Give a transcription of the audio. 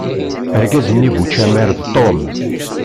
Argaz-nni bu ucamar d Tom.